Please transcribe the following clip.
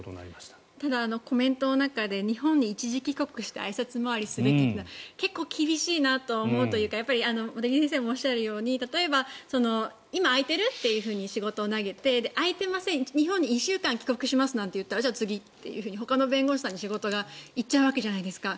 ただ、コメントの中で日本に一時帰国してあいさつ回りすべきというのは結構厳しいなと思うというか茂木先生もおっしゃるように例えば、今空いてる？と仕事を投げて空いていません日本に１週間帰国しますなんて言ったら次というふうにほかの弁護士さんに仕事が行っちゃうわけじゃないですか。